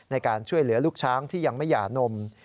ในการช่วยเหลือลูกช้างที่ยังไม่หย่านม